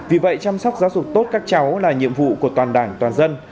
vì vậy chăm sóc giáo dục tốt các cháu là nhiệm vụ của toàn đảng toàn dân